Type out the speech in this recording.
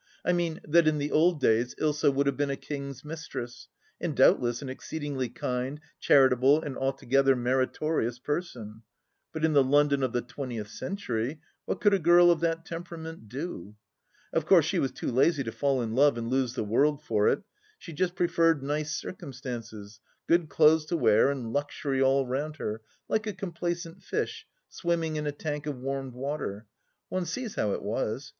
I mean, that in the old days Ilsa would have been a king's mistress, and doubtless an exceed ingly kind, charitable, and altogether meritorious person; but in the London of the twentieth century, what could a girl of that temperament do ? Of course she was too lazy to fall in love and lose the world for it ; she just preferred nice circumstances, good clothes to wear and luxury all round her, like a complacent fish swimming in a tank of warmed water. One sees how it was.